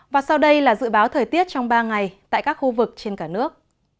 và sau đây là dự báo thời tiết trong ba ngày tại các khu vực trên cả nước